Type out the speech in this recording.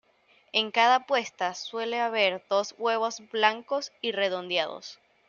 En cada puesta suele haber dos huevos blancos y redondeados.